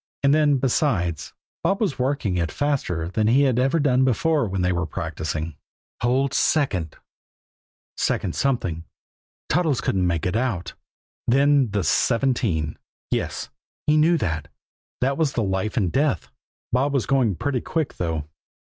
And then, besides, Bob was working it faster than he had ever done before when they were practicing. "Hold second" second something Toddles couldn't make it out. Then the "seventeen" yes, he knew that that was the life and death. Bob was going pretty quick, though.